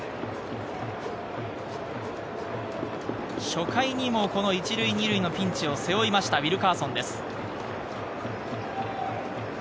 初回にもこの１塁２塁のピンチを背負いましたウィルカーソンです。